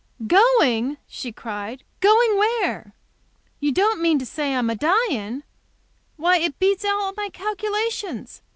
"Going!" she cried; "going where? You don't mean to say I'm a dying? Why, it beats all my calculations.